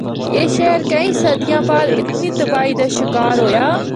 اے شہر کئی صدیاں بعد اتنی تباہی دا شکار ہویا۔